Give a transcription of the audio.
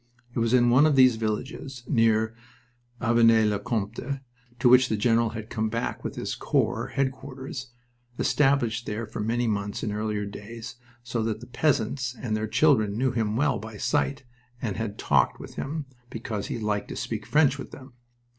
It was in one of these villages near Avesnes le Compte to which the general had come back with his corps headquarters, established there for many months in earlier days, so that the peasants and their children knew him well by sight and had talked with him, because he liked to speak French with them.